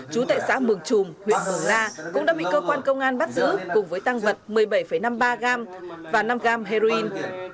chú tại xã mường trùm huyện mường la cũng đã bị cơ quan công an bắt giữ cùng với tăng vật một mươi bảy năm mươi ba gram và năm gram heroin